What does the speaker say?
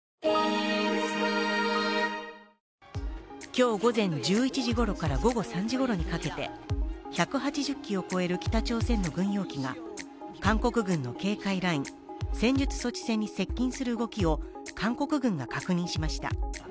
今日午前１１時ごろから午後３時ごろにかけて１８０機を超える北朝鮮の軍用機が韓国軍の警戒ライン、戦術措置線に接近する動きを韓国軍が確認しました。